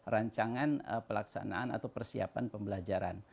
rancangan pelaksanaan atau persiapan pembelajaran